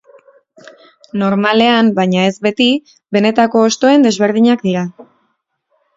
Normalean, baina ez beti, benetako hostoen desberdinak dira.